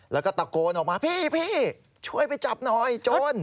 แล้วก็ตะโกนออกมาพี่ช่วยไปจับหน่อยโจร